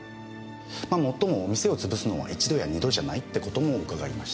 まあもっとも店を潰すのは一度や二度じゃないって事も伺いました。